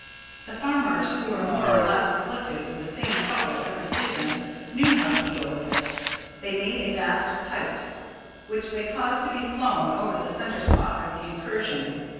The farmers, who were more or less afflicted with the same trouble every season, knew how to deal with it. They made a vast kite, which they caused to be flown over the centre spot of the incursion.